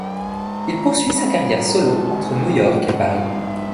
Il poursuit sa carrière solo entre New York et Paris.